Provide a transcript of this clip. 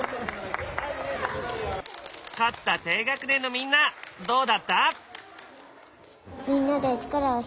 勝った低学年のみんなどうだった？